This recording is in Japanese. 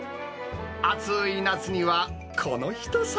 暑い夏にはこの一皿。